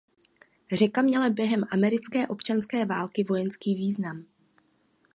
Řeka měla během americké občanské války vojenský význam.